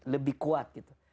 lebih kuat gitu